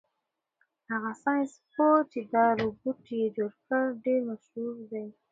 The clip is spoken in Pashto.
هغه ساینس پوه چې دا روبوټ یې جوړ کړ ډېر مشهور دی.